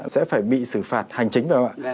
sẽ phải bị xử phạt hành chính